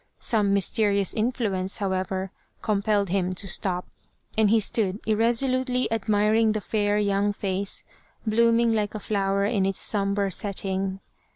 Some mysterious influence, however, com pelled him to stop, and he stood irresolutely admiring the fair young face, blooming like a flower in its sombre setting.